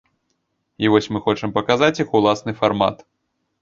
І вось мы хочам паказаць іх уласны фармат.